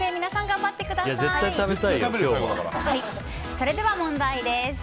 それでは問題です。